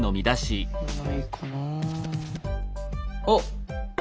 おっ！